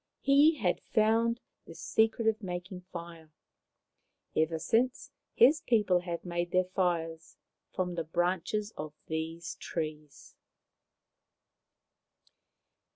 He had found the secret of making fire. Ever since his people have made their fires from the branches of these trees.